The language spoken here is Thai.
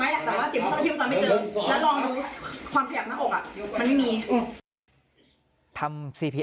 แต่จีบต้นเทียมตอนไม่เจอแล้วลองดูความผ้าเหยากหน้าอกมันไม่มี